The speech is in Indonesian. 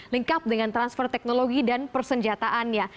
lengkap dengan transfer teknologi dan persenjataannya